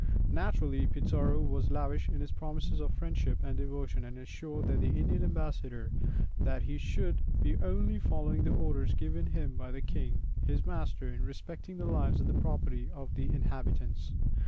Naturally Pizarro was lavish in his promises of friendship and devotion, and assured the Indian ambassador that he should be only following the orders given him by the king his master in respecting the lives and property of the inhabitants.